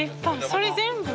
それ全部？